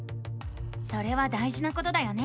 それは大じなことだよね。